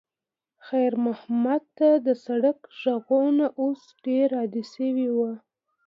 خیر محمد ته د سړک غږونه اوس ډېر عادي شوي وو.